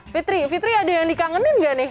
fitri fitri ada yang dikangenin nggak nih